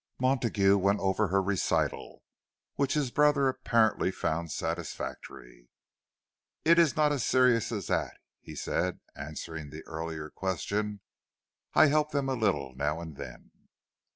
Montague went over her recital, which his brother apparently found satisfactory. "It's not as serious as that," he said, answering the earlier question. "I help them a little now and then."